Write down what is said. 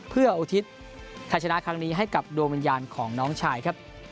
เพื่ออุทิศไทยชนะครั้งนี้ให้กับดวงวิญญาณของน้องชายครับ